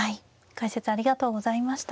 解説ありがとうございました。